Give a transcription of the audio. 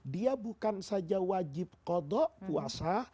dia bukan saja wajib kodok puasa